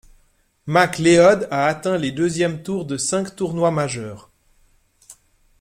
McLeod a atteint les deuxièmes tours de cinq tournois majeurs.